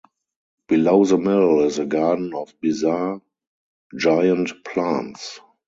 Below the mill is a garden of bizarre, giant plants.